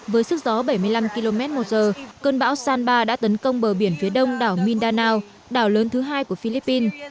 với sức gió bảy mươi năm km một giờ cơn bão sanba đã tấn công bờ biển phía đông đảo mindanao đảo lớn thứ hai của philippines